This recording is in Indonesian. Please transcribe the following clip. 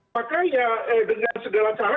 maka ya dengan segala cara